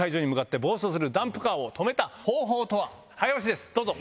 早押しですどうぞ。